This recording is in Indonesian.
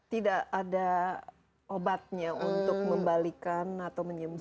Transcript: tidak ada obatnya untuk membalikan atau menyembunyi